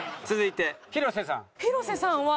続いて広瀬さん。